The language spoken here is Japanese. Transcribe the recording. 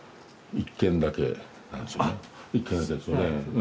１点だけですよね。